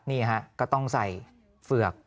นี่ฮะก็ต้องใส่เฝือก